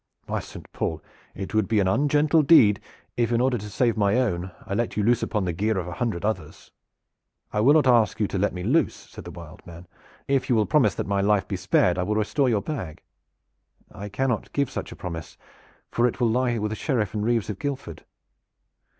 By Saint Paul! it would be an ungentle deed if in order to save my own I let you loose upon the gear of a hundred others." "I will not ask you to let me loose," said the "Wild Man." "If you will promise that my life be spared I will restore your bag." "I cannot give such a promise, for it will lie with the Sheriff and reeves of Guildford."